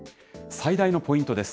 最大のポイントです。